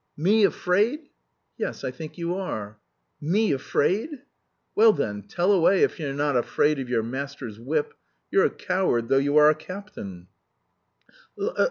"Me afraid?" "Yes, I think you are." "Me afraid?" "Well then, tell away if you're not afraid of your master's whip.... You're a coward, though you are a captain!"